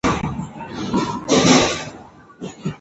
Andromeda seems not to have suffered very much.